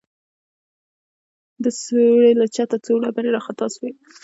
د سوړې له چته څو ډبرې راخطا سوې.